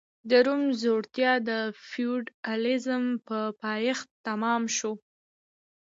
د روم ځوړتیا د فیوډالېزم په پایښت تمام شو